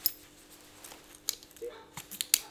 ھو ٻين ھون